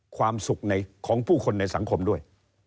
ความสุขของผู้คนในสังคมด้วย